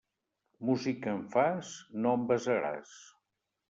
Música em fas? No em besaràs.